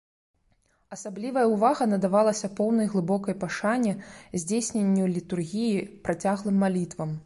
Асаблівая ўвага надавалася поўнай глыбокай пашане здзяйсненню літургіі, працяглым малітвам.